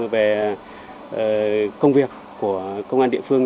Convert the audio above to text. về công việc của công an địa phương